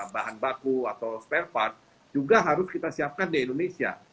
bahan baku atau spare part juga harus kita siapkan di indonesia